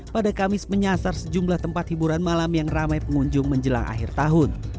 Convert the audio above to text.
pada kamis menyasar sejumlah tempat hiburan malam yang ramai pengunjung menjelang akhir tahun